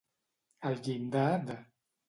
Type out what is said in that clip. Al llindar de.